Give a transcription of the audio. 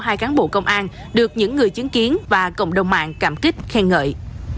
hai cán bộ công an được những người chứng kiến và cộng đồng mạng cảm kích khen ngợi